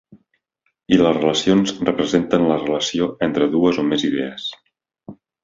I les relacions representen la relació entre dues o més idees.